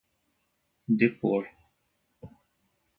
depor